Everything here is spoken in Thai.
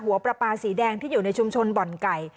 ประปาสีแดงที่อยู่ในชุมชนบ่อนไก่